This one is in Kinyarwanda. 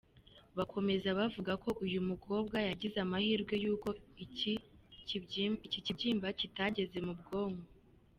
Bakomeza bavuga ko uyu mukobwa, yagize amahirwe y’uko iki kibyimba kitageze mu bwonko.